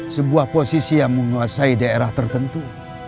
sebuah posisi yang menguasai daerah tertentu